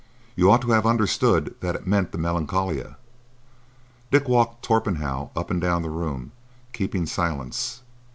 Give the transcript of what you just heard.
You ought to have understood that it meant the Melancolia." Dick walked Torpenhow up and down the room, keeping silence.